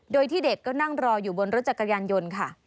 โดยที่เด็กก็นั่งรออยู่บนรถจักรยานยนต์ค่ะ